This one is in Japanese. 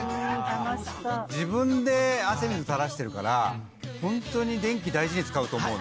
自分で汗水垂らしてるからホントに電気大事に使うと思うね。